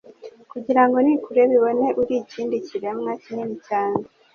kugira yo nikureba ibone uri ikindi kiremwa kinini cyane.